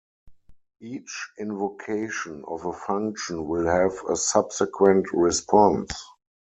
Each invocation of a function will have a subsequent response.